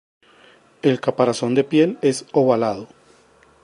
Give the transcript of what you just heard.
El caparazón de piel es ovalado.